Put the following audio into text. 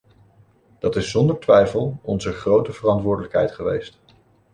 Dat is zonder twijfel onze grote verantwoordelijkheid geweest.